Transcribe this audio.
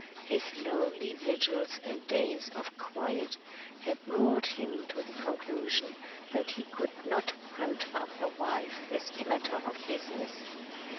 His lonely vigils and days of quiet had brought him to the conclusion that he could not hunt up a wife as a matter of business.